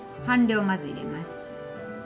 半量まず入れます。